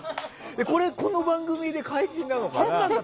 この番組で解禁なのかな。